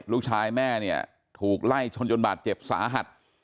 ลูกชายแม่เนี่ยถูกไล่ชนจนบาดเจ็บสาหัส